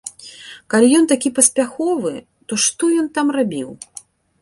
Калі ён такі паспяховы, то што ён там рабіў?